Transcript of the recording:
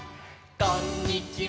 「こんにちは」